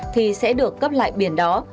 thì sẽ được cấp lại biển đó